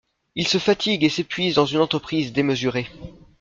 Il se fatigue et s'épuise dans une entreprise démesurée.